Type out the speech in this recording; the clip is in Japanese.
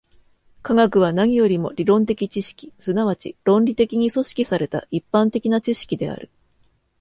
科学は何よりも理論的知識、即ち論理的に組織された一般的な知識である。